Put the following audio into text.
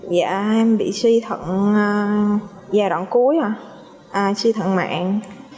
dạ em bị suy thận giai đoạn cuối rồi suy thận mạng